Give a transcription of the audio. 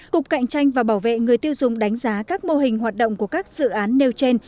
cục cạnh tranh và bảo vệ người tiêu dùng đánh giá các mô hình hoạt động của các dự án nêu trên